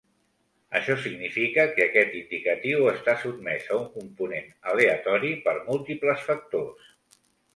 Això significa que aquest indicatiu està sotmès a un component aleatori per múltiples factors.